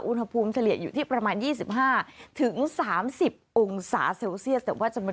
อุณหภูมิเฉลี่ยอยู่ที่ประมาณ๒๕๓๐องศาเซลเซียส